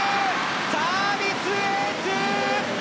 サービスエース！